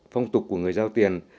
phong tục của người giao tiền